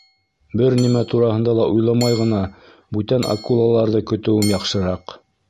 Бер нимә тураһында ла уйламай ғына бүтән акулаларҙы көтөүем яҡшыраҡ.